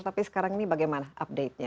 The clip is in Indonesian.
tapi sekarang ini bagaimana update nya